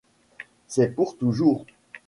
C'est pour toujours.